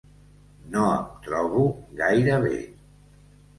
No em trobo gaire bé.